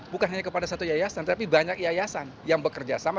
bukan hanya kepada satu yayasan tapi banyak yayasan yang bekerja sama